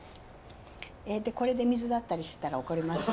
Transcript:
えっこれで水だったりしたら怒りますよ。